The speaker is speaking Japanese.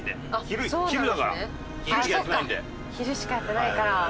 昼しかやってないから。